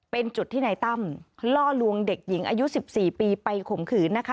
เป็นจุดที่นายตั้มล่อลวงเด็กหญิงอายุ๑๔ปีไปข่มขืนนะคะ